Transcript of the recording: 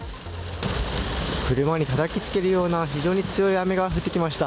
車にたたきつけるような非常に強い雨が降ってきました。